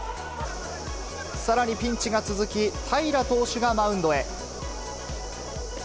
さらにピンチが続き、平良投手がマウンドへ。